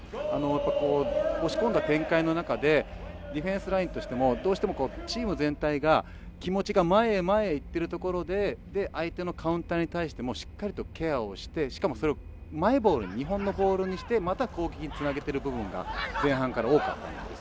押し込んだ展開の中でディフェンスラインとしてもどうしてもチーム全体が気持ちが前へ前へ行っているところで相手のカウンターに対してもしっかりとケアをしてしかも、それをマイボールに日本のボールにしてまた攻撃につなげている部分が前半から多かったんです。